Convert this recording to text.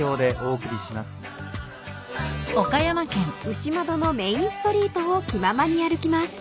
［牛窓のメインストリートを気ままに歩きます］